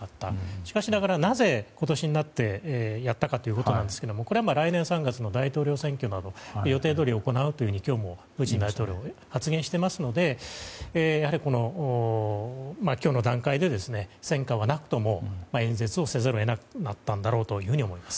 しかしながら、なぜ今年になってやったかということなんですがこれは来年３月の大統領選挙などを予定どおり行うと今日もプーチン大統領は発言していますのでやはり、今日の段階で戦果はなくとも演説をせざるを得なくなったんだと思います。